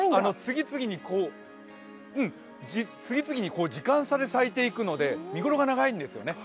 次々に時間差で咲いていくので見頃が長いんですね。